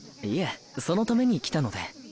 いえそのために来たので。